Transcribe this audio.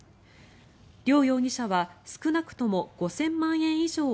リョウ容疑者は少なくとも５０００万円以上を